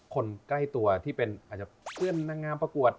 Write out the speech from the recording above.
คนใกล้ตัวที่เป็นอาจจะเพื่อนนางงามประกวด